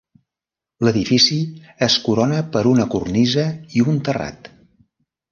L'edifici es corona per una cornisa i un terrat.